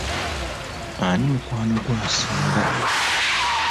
Ani mukwano gwo asinga?